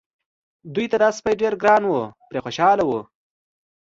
دوی ته دا سپی ډېر ګران و پرې خوشاله وو.